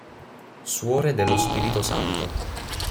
Suore dello Spirito Santo